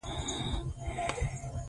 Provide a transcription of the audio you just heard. خپلې جامې تل پاکې ساتئ.